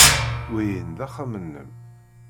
Wihin d axxam-nnem.